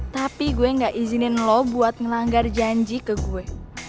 tapi gue gak izinin lo buat ngelanggar janji ke gue